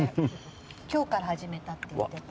今日から始めたって言ってた。